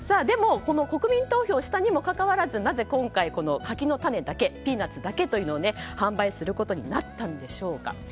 でも国民投票したにもかかわらずなぜ今回、柿の種だけピーナツだけというのを販売することになったんでしょうか。